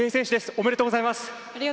おめでとうございます。